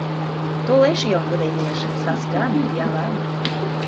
Толеш йоҥгыдо илыш — саскан, пиалан.